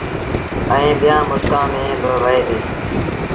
ائيٚݩ ٻيٚآݩ ملڪآݩ ميݩ با وهي ديٚ